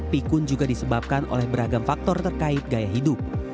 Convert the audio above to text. penyakit alzheimer juga bisa dikaitkan oleh beberapa faktor terkait gaya hidup